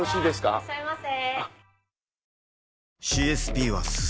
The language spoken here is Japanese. いらっしゃいませ。